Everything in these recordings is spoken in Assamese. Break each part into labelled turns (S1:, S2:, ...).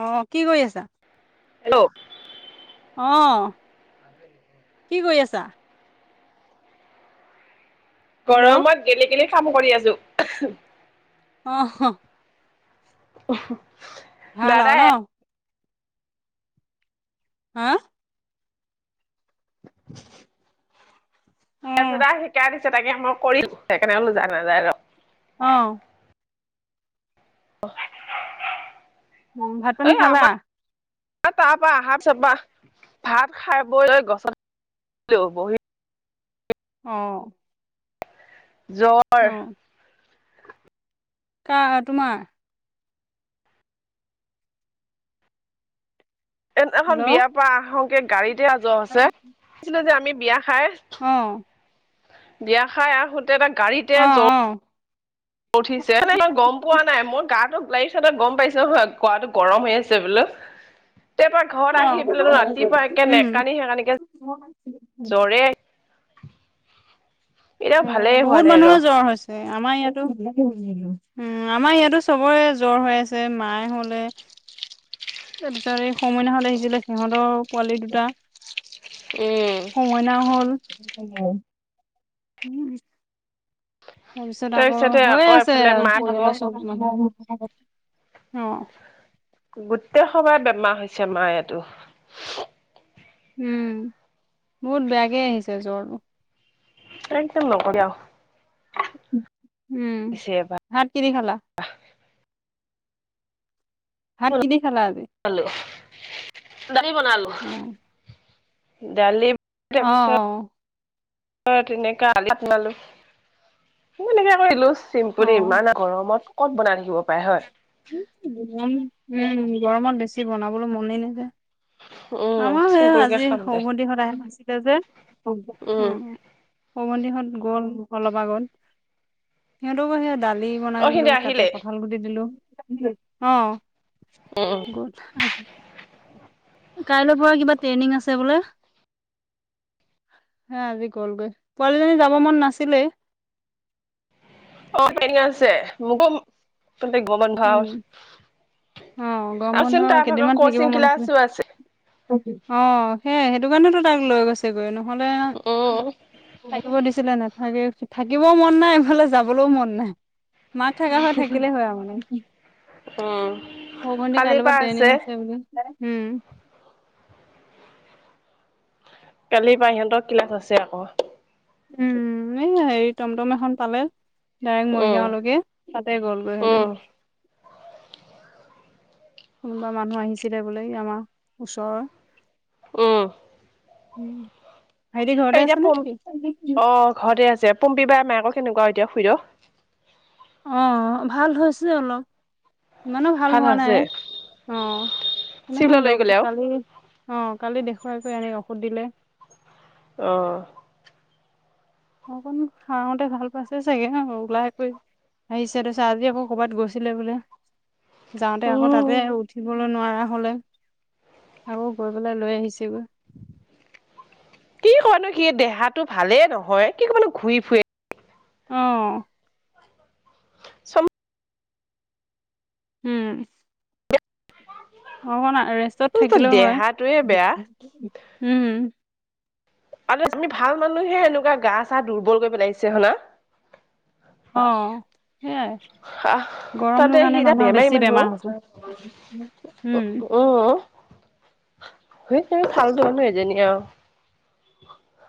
S1: আহ কি কৰি আছা?
S2: হেল্ল'।
S1: আহ কি কৰি আছা? হেল্ল'
S2: গৰমত গেলি গেলি কাম কৰি আছো।
S1: আহ আহ।
S2: অ
S1: ভাল আও ন হা [unintelligible] [inaudible]
S2: তাৰপিছত আৰু শিকাই দিছে তাকে মই কৰি সেইকাৰণে [unintelligible] নাযায় ৰ
S1: আহ
S2: [inaudible]
S1: উ ভাত পানী
S2: এই
S1: খালা
S2: আমাৰ তাৰ পৰা আহাৰ পি চপা ভাত খাই বৈ গছত হেল্ল' বহি
S1: আহ
S2: জ্বৰ
S1: কা তোমাৰ
S2: সেইদিনা খন
S1: হেল্ল' অ
S2: বিয়াৰ পৰা আহোতে গাড়ীতে জ্বৰ হৈছে ছিলে যে আমি বিয়া খাই
S1: অ
S2: বিয়া খাই আহোতে এটা গাড়ীতে
S1: অ
S2: জ্ব উঠিছে গম পোৱা নাই মই গাটো লাৰিফ চটা গম পাইছো নহয় গাটো গৰম হৈ আছে বোলো [unintelligible] তাৰ পৰা ঘৰত
S1: অ
S2: আহি পেলাই ৰাতিপুৱা একে
S1: উম
S2: নেকানি সেইকানিকে জ্বৰে এতিয়াও
S1: উ
S2: ভালেই হোৱা
S1: বহুত
S2: নাই
S1: মানুহৰ জ্বৰ
S2: ৰ
S1: হৈছে আমাৰ ইয়াতো উ আমাৰ ইয়াতো চবৰে জ্বৰ হৈ আছে মায়ে হলে
S2: [unintelligible] [inaudible]
S1: তাৰপিছত এই হওমইনা হত আহিছিলে সিহঁতৰ পোৱালি দুটা
S2: উম
S1: হৌ মইনাও হল তাৰ পিছত আকৌ
S2: তাৰপিছতে
S1: হৈয়ে
S2: আকৌ
S1: আছে
S2: এফালে
S1: আৰু
S2: মা ভাগৰ
S1: পৰিয়ালৰ চব মানুহ অ
S2: গোটেই সবাই বেমাৰ হৈছে মায়েটো
S1: উম বহুত বেয়াকে আহিছে জ্বৰটো
S2: এদম নকবি আও
S1: উম ভাত কি দি খালা ভাত কি দি খালা আজি
S2: দালি বনালো
S1: অ
S2: দালি
S1: আহ অ
S2: অ তেনেকা [unintelligible] তেনেকে কৰিলো
S1: অ অ
S2: চিম্পপুৰি ইমান গৰমত ক'ত বনাই থাকিব পাৰে হ'য়?
S1: গৰম, উম গৰমত বেছি বনাবলৈ মনেই নাযায়।
S2: উম
S1: আমাও সেই
S2: চিম্পুল কে
S1: আজি
S2: খাম দে
S1: সৰুভন্তিৰ ঘৰত আইসকাম আছিলে যে---ওঁ
S2: উম
S1: ওঁ সৰু ভন্তিহঁত গ'ল অলপ আগত। সিহঁতকো সেয়া দালি বনাই
S2: অ
S1: দিলোঁ,
S2: সিহঁতে
S1: তাতে
S2: আহিলে
S1: কঠাল গুটি দিলোঁ। অঁ
S2: উম
S1: ঘত্‌হাল কাইলৈৰ পৰা কিবা ট্ৰেইনিং আছে বোলে? হে আজি গ'লগৈ। পোৱালিজনী যাব মন নাছিলেই।
S2: অ, ট্ৰেনিং আছে। মোকো ও তাতে গৰমবন্ধ আও।
S1: উম অ', গৰম বন্ধ
S2: আওছোন তা ভাগৰ কচিং ক্লাছও আছে।
S1: অঁ সে--সেইটো কাৰণেটো তাক লৈ গৈছেগৈ ন'? নহ'লে
S2: উম।
S1: থাকিব দিছিলে, নাথাকে। থাকিবও মন নাই, এইফালে যাবলো মন নাই। মাক থকা হ'য়, থাকিলে হ'য় আও মানে।
S2: উম।
S1: সৰু ভণ্টি কাইলৈ পৰা ট্ৰেনিং আছে বোলে? উম।
S2: কালিপা সিহঁতৰ ক্লাছ আছে আক'।
S1: উম, এই এ হেৰি, টমটম এখন পালে। ডাইৰেক্ট
S2: উম।
S1: মৰিগাঁওলৈকে, তাতে গ'লগৈ
S2: উম,
S1: সিহঁতেও। কোনোবা মানুহ আহিছিলে বোলে। এই আমাৰ ওচৰই।
S2: উম।
S1: উম, ভাইটি
S2: এই
S1: ঘৰতে
S2: এতিয়া
S1: আছে নে
S2: পম
S1: কি?
S2: অ' ঘৰতে আছে। পম্পী বা মায়েক কেনেকুৱা এতিয়া খুইদৌ?
S1: অঁ, ভাল হৈছে অলপ, ইমানো ভাল হোৱা নাই। অঁ, সেইদিনাখন
S2: চিভিলত লৈ গ'লে
S1: ডক্টক
S2: আৰু?
S1: কালি, অঁ কালি দেখ্‌ খাই কৰি আনি ঔষধ দিলে।
S2: অঁ
S1: আকৌনো, খাওঁতে ভাল পাইছে চাগে ন'? লাহেকৈ আহিছে, তাৰপিছত আজি আকৌ কৰ'বাত গৈছিলে বোলে, যাওঁতে আকৌ
S2: উম,
S1: তাতে উঠিবলৈ নোৱাৰে। আ-হলে, আকৌ গৈ পেলাই লৈ আহিছেগৈ।
S2: কি কয় নো সি, দেহাটো ভালেই নহয়। কি কবনো ঘূৰি ফুৰে?
S1: অঁ।
S2: চম্‌
S1: উম। অকমান ৰেষ্টত
S2: সমস্ত
S1: থাকিলেও হয়।
S2: দেহাটোৱে বেয়া।
S1: উম
S2: আৰু তুমি ভাল মানুহে, এনেকুৱা গা-চা দুৰ্বল কৰি পেলাইছে হইনা?
S1: অঁ, হেয়াই।
S2: হাহ তাতে সি এতিয়া বেমাৰী মানুহ।
S1: বেমাৰ হৈছে
S2: উ
S1: উম
S2: উম সেইত্‌ তেৰি, ফাল্টোমানুহ এজনি আও।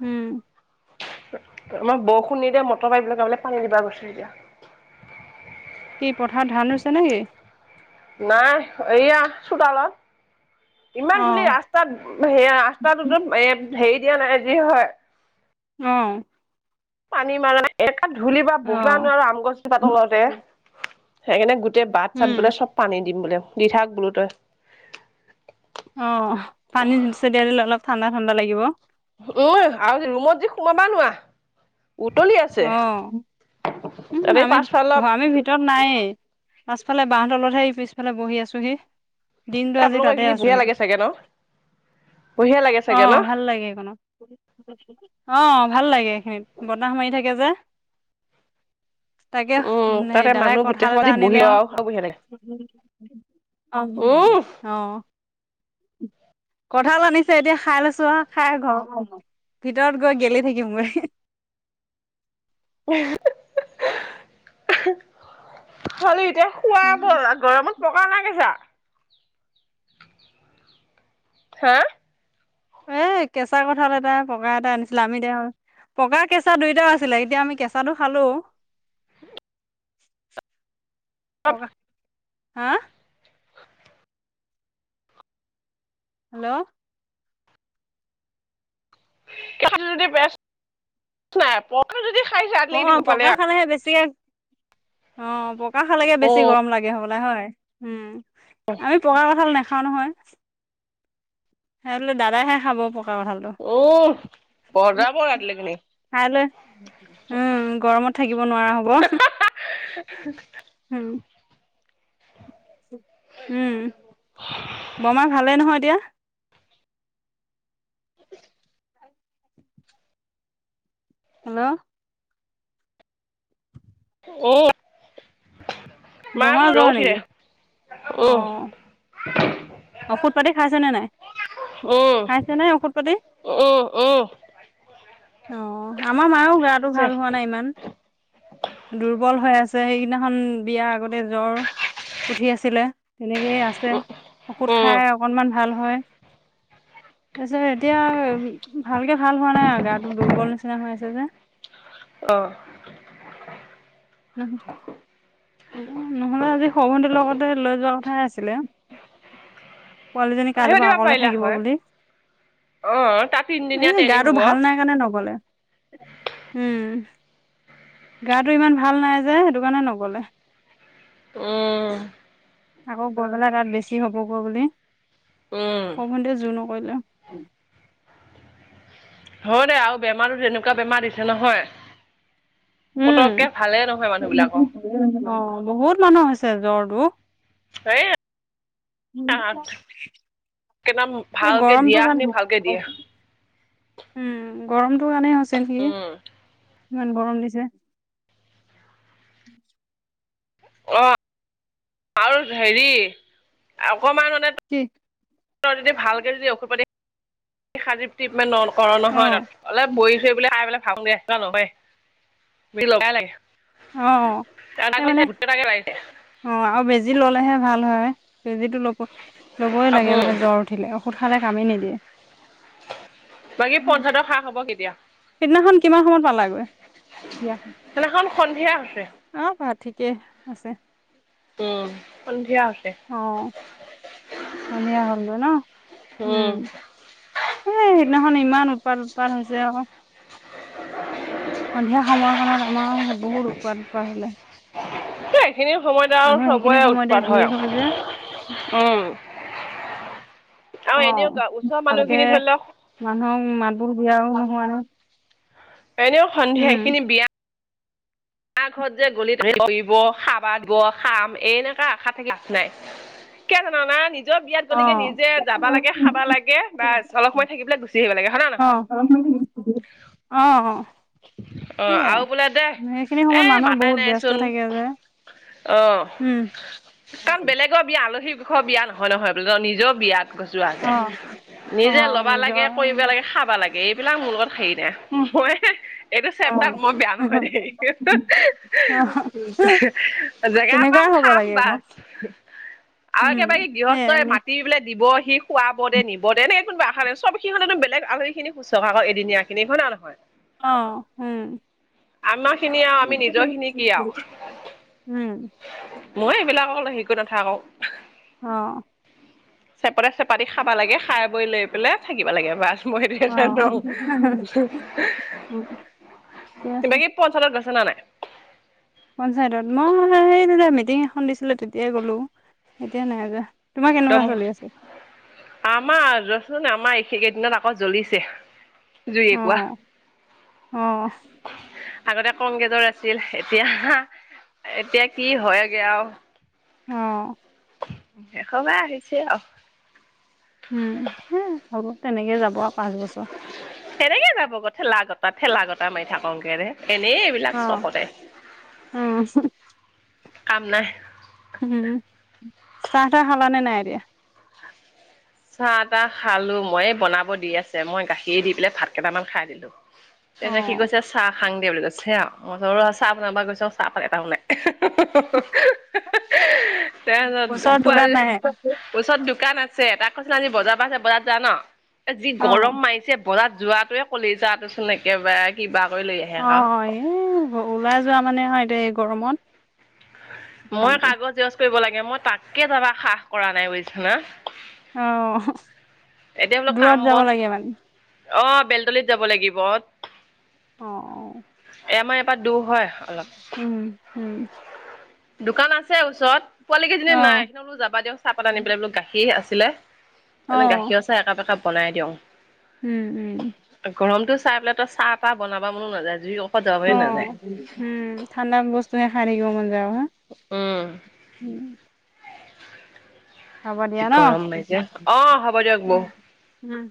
S1: হোঁম
S2: আমাৰ বৰষুণ নিদিয়া, মটৰপাইপ লগাবলে পানী দিবা গৈছে এতিয়া।
S1: কি পথাৰত ধান ৰোইছে নেকি?
S2: নাই। এইয়া, চোতালত। ইমান
S1: অ
S2: ধূলি ৰাস্তাত, সেইয়া ৰাস্তাতোটোত এ হেৰি দিয়া নাই। যি হ'য়
S1: অঁ।
S2: পানীমাৰা নাই। একা ধূলিপা বহিবা নোৱাৰো আম গছজোপা তলতে। সেইকাৰণে গো গোটেই
S1: উম
S2: বাট-চাত বোলে চব পানী দিম বোলে। দি থাক বোলো তই।
S1: অঁ--অঁহ পানী জোছে তিয়াই দিলে অলপ ঠাণ্ডা ঠাণ্ডা লাগিব।
S2: উম এ আৰু যে ৰোমত যে সোমাবা নোৱা।
S1: অঁ, ওঁ
S2: তাতে
S1: আমি,
S2: পাছফালৰ
S1: আমি ভিতৰত নাইয়ে। পাছফালে বাহঁ তলত সেই পিছফালে বহি আছোহি। দিনতটো আজি
S2: আপোনালোকৰ
S1: তাতে
S2: এইখিনি বঢ়িয়া
S1: আছোঁহি।
S2: লাগে চাগে ন বঢ়িয়া লাগে
S1: অ
S2: চাগে ন
S1: ভাল লাগে আকৌনো অ। ভাল লাগে এইখিনিত বতাহ মাৰি থাকে যে। তাকে
S2: উম
S1: হেৰি
S2: তাতে
S1: দাদাই
S2: মানুহ গোটেই
S1: কঠাল এটা
S2: সমাধি বহি
S1: আনিলে আৰু।
S2: বঢ়িয়া লাগে
S1: আহ
S2: উম
S1: আহ ক‍ঁঠাল আনিছে এতিয়া খাই লৈছোঁ আহ খাই ঘৰ ভিতৰত গৈ গেলি থাকিম মই।
S2: খালি এতিয়া খুৱ বল গৰমত পকা নে কেচা? হা।
S1: এ কেঁচা কঁঠাল এটা পকা এটা আনিছিল আমি দে পকা কেঁচা দুইটাও আছিলে এতিয়া আমি কেঁচাটো খালোঁ। পকা হা। হেল্ল'
S2: [unintelligible]
S1: অ
S2: গম পালে
S1: পকা
S2: আৰু
S1: খালেহে বেছিকে অ পকা খালেকে বেছি
S2: অ
S1: গৰম লাগে হ'ব হয় উম আমি পকা কঁঠাল নাখাওঁ নহয়। হেতলে দাদা হে। খাব পকা কঁঠালটো
S2: উম বজাব ৰাতিলৈকে নি
S1: খাই লৈ উম গৰমত থাকিব নোৱাৰা হ'ব। উম
S2: [unintelligible]
S1: উম বৰমা ভালেই নহয় এতিয়া? হেল্ল'
S2: অ [unintelligible]
S1: বমাৰ জ্বৰ নেকি অ ঔষধ পাতি খাইছে নে নাই?
S2: উম
S1: খাইছে নে ঔষধ পাতি
S2: উম উম।
S1: অ আমাৰ মাৰো গাটো
S2: আছে
S1: ভাল হোৱা নাই ইমান দুৰ্বল হৈ আছে। আছে সেইদিনাখন বিয়া আগতে জ্বৰ উঠি আছিলে তেনেকেই আছে।
S2: উম
S1: ঔষধ
S2: উম
S1: খাই অকণমান ভাল হয়।
S2: [unintelligible]
S1: তাৰপিছত এতিয়া ভালকে ভাল হোৱা নাই আৰু গাটো দুৰ্বল নিচিনা হৈ আছে যে।
S2: আহ।
S1: উম হ। নহ'লে আজি সৰুভটিৰ লগতে লৈ যোৱা কথাইে আছিলে। পোৱালীজনী কাইলৈ
S2: আহিব
S1: বা
S2: দিব
S1: অকলে
S2: পাৰিলা
S1: থাকিব
S2: হয়
S1: বুলি।
S2: অ তাত
S1: এ
S2: তিনদিনীয়া ট্ৰেইনিং
S1: গাটো
S2: হ'ব
S1: ভাল নাই কাৰণে নগলে উম। গাটো ইমান ভাল নাই যে সেইটোকানে নগলে।
S2: আহ।
S1: আকৌ গৈ পেলাই তাত বেছি হ'বগৈ বুলি
S2: উম
S1: সৰুভন্টীয়ে যোৰ। হৈলে
S2: হয় দে আৰু বেমাৰো তেনেকুৱা বেমাৰ দিছে নহয়।
S1: উম,
S2: পতককে ভালে নহয় মানুহবিলাকৰ।
S1: অ বহুত মানুহৰ হৈছে জ্বৰটো।
S2: সেই
S1: উ
S2: একদম
S1: সেই
S2: ভালকে
S1: গৰমটো
S2: দিয়া
S1: কাৰণ
S2: খিনি ভালকে দিয়ে
S1: উম। গৰমটো কাৰণে হৈছে নেকি?
S2: উম
S1: ইমান গৰম দিছে। [unintelligible]
S2: অ আৰু হেৰি অকণমানতে
S1: কি
S2: যদি ভালকে যদি ঔষধপাতি খালে টিপমেণ্ট ন কৰ নহয়
S1: অ',
S2: তাত অলপ বহি থৈ বলোই পেললে ভাব দিয় নয় লগাই লাগে। [unintelligible]
S1: অ এ মানে
S2: গোটেইটাকে লাগিছে
S1: অ আৰু বেজি ললেহে ভাল হয়। বেজিটো ল'ব ল'বই লাগে
S2: উম
S1: মানে জ্বৰ উঠিলে ঔষধ, খালে কামেই নিদিয়ে।
S2: বাকী পঞ্চায়তৰ খা খবৰ কি?
S1: সিদিনাখন কিমান সময় পালাগৈ বিয়াখন?
S2: সেইদিনাখন সন্ধিয়া আছে।
S1: তিকে আছে।
S2: উম সন্ধিয়ে আছে। [inaudible]
S1: আনিয়া হ'ল গৈ ন
S2: উম
S1: এ সেইদিনাখন ইমান উৎপাৰ উৎপাৰ হৈছে। ৱৎৱ ৎ্ল য়। ৎৱ হয়য ক্ষয়-ক্ষতি য়য় ৱ আৰু সন্ধিয়া সময়খনত আমাৰ বহুত উৎপাদৎপাদ হলে
S2: সেইখিনি সময়ত আৰু
S1: মানুহ সেইখিনি
S2: চবৰে
S1: সময়তে
S2: উৎপাত
S1: ভিৰ হল যে
S2: হয়। আৰু আৰু
S1: অ
S2: এনেও ওচৰৰ
S1: ভালকে
S2: মানুহখিনি ধৰি লওক
S1: মানুহক মান [unintelligible] দিয়াও নহয়
S2: এনেও সন্ধিয়া এইখিনি বিয়া যাৰ ঘৰত যে গলিতহিব খাবা দিব খাম এনেকা আশা থাকি লাভ নাই। কিয় জনা নাই [unintelligible] নিজৰ বিয়াত
S1: অ
S2: গলকে নিজে যাবা লাগে খাবা লাগে বা অলপ সময় থাকিব পেলাই গুচি আহিব লাগে। হয় না
S1: অ
S2: নহয়? [inaudible]
S1: অ অ
S2: অ
S1: সেইয়ে
S2: আৰু বোলে দে
S1: সখিনি-
S2: এ
S1: অসময়ত মানুহ
S2: মাতাই
S1: বহুত ব্যস্ত
S2: নাইচোন
S1: থাকে। যে-
S2: অ
S1: উম,
S2: কাৰণ বেলেগৰ বিয়া আলহী দুষৰ বিয়া নহয় নহয় বোলো নিজৰ বিয়া। গজোৱা
S1: অ
S2: যায়
S1: অ
S2: নিজে লবা
S1: নিজৰ
S2: লাগে কৰিব লাগে খাবা লাগে। এইবিলাক মোৰ লগত হেৰি দে মই এইটো
S1: অ অ
S2: চেপ্তাৰ মই বেয়া নহয় দেই। [unintelligible] জেগা পাম
S1: তেনেকুৱাই হ'ব
S2: খাম
S1: লাগে আকৌ
S2: বাছ। আৰু
S1: উম
S2: একেবাৰে গৃহস্থই
S1: সেইয়াই
S2: মাতি পেললে দিব সি খুৱাব দে নিব দে এনেক- [unintelligible] কোনোশাই চব সনে বেলেগ আৰি খিনি শুশা এদিনীয়াখিনিক। হয় না নহয়?
S1: অ উম।
S2: আমাৰ খিনি আও আমি নিজৰ খিনি কি আও
S1: উম
S2: মই এইবিলাক অল শিকো নাথাকোও।
S1: অ
S2: চেপতে চেপতি খাবা লাগে খাই বৈ লৈ পেলাই থাকিব লাগে বাছ। মই সেইটোহে
S1: অ
S2: জানো
S1: ঠিকে
S2: [unintelligible]
S1: আছে
S2: তিবাকি পঞ্চায়তত গৈছ না নাই!
S1: পঞ্চায়তত মই এইা মিটিং এখন দিছিলো তেতিয়াই গলো এতিয়া নাই জোৱো।
S2: তম আম ৰছ নে আমাৰ সেইকেইদিনত আকৌ জ্বলিছে। জুই একুৰা
S1: আহ আহ।
S2: আগতে কংগ্ৰেছৰ আছিল এতিয়া এতিয়া কি হয়গে আও-
S1: অহ।
S2: এশবাৰ আহিছে অ-
S1: উম হ হল তেনেকে যাব আৰু পাঁচ, বছৰ-
S2: তাত ঠেলা গটা মাৰি থাকক গে ৰে। এনেই এইবিলাক
S1: অ
S2: চখতে।
S1: উম
S2: কাম নাই।
S1: উম চাহ টাহ খালা নে নাই এতিয়া?
S2: চাহ তাহ খালো মই বনাব দি আছে মই গাখী দি পেলাই ভাত কেইটামান খাই দিলো। তাৰপিছত কি
S1: অ',
S2: কৈছে চাহ। খাং দিয়ে বুলি কৈছে আও। মই চাহ বনাব গৈছো চাহপাত এটাও নাই। [unintelligible] তাৰপিছত
S1: ওচৰত দোকান
S2: পোৱালি
S1: নাই?
S2: ওচৰত দোকান আছে। আছে তাক কৈছিলে আজি বজাৰৰ পৰা আছে বজাৰ যা ন যি গৰম
S1: অ',
S2: মাৰিছে- বজাত যোৱাটোৱে কলিজাটো চোন একেবাৰে কিবা কৰি লৈ আহে
S1: অ
S2: আক।
S1: এই ওলাই যোৱা মানে হয় এতিয়া এই গৰমত
S2: মই
S1: অশান্তি।
S2: কাগজ জেৰস্ক কৰিব লাগে মই তাকে যাবা সাহ কৰা নাই বুজিছা না
S1: অহ হ
S2: এতিয়া বোলো কাম
S1: দূৰত যাব
S2: বন
S1: লাগে মানে
S2: অ বেলতলিত যাব লাগিব এ
S1: অ',
S2: আমাৰ ইয়াৰ পা দূৰ হয় অলপ
S1: উম উম
S2: দোকান আছে ওচৰত পোৱালি কেইজনী
S1: অ',
S2: নাই সেতি বোলো যাবা দিয়ক চাহপাত আনি পেলাই বোলো গাখীৰ আছিলে
S1: অ',
S2: গাখীৰ চাহ একাপ একাপ বনাই দিওঁ।
S1: উম উম।
S2: গৰমটো চাই পেলাই ত চাহ বনাব মনো নাযায় জই অ
S1: অ উম ঠাণ্ডা বস্তু হে খাই থাকিব মন যা উম [inaudible] হ'ব
S2: যি
S1: দিয়া ন
S2: গৰম পাইছে অ হ'ব দিয়ক বৌ
S1: [inaudible] উম্।